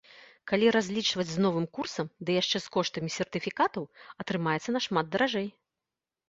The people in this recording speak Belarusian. Калі разлічваць з новым курсам, ды яшчэ з коштамі сертыфікатаў, атрымаецца нашмат даражэй.